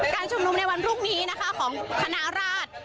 ชุมนุมในวันพรุ่งนี้นะคะของคณะราช